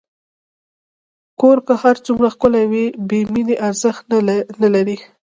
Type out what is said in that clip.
کور که هر څومره ښکلی وي، بېمینې ارزښت نه لري.